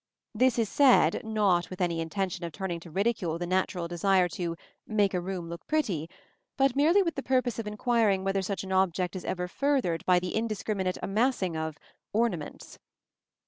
This is said, not with any intention of turning to ridicule the natural desire to "make a room look pretty," but merely with the purpose of inquiring whether such an object is ever furthered by the indiscriminate amassing of "ornaments."